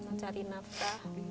uangan alhamdulillah ada